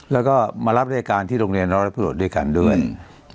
แล้วก็มารับรายการที่โรงเรียนร้อยประโยชน์ด้วยกันด้วย